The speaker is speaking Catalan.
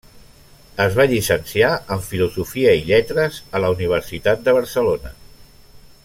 Es va llicenciar en Filosofia i Lletres a la Universitat de Barcelona.